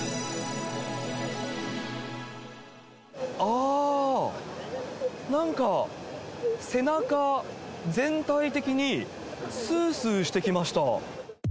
あー、なんか背中全体的にすーすーしてきました。